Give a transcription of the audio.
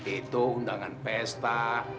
itu undangan pesta